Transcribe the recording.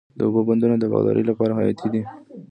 د اوبو بندونه د باغدارۍ لپاره حیاتي دي.